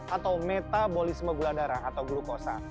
atau metabolisme gula darah atau glukosa